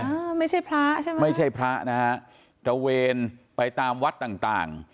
ไม่ใช่พระใช่ไหมไม่ใช่พระนะฮะตระเวนไปตามวัดต่างต่าง